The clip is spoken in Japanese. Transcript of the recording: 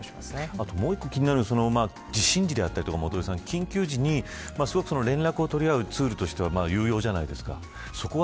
もう１つ気になるのはあとは地震のときとか緊急時に連絡を取り合うツールとしては有用じゃないですか。